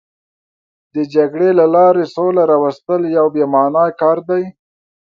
د جګړې له لارې سوله راوستل یو بې معنا کار دی.